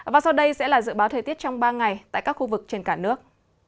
và sau đây sẽ là dự báo thời tiết trong ba ngày tại các khu vực trên cả nước